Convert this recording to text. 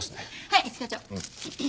はい一課長。